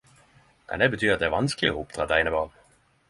Kan det bety at det er vanskeleg å oppdra eit einebarn??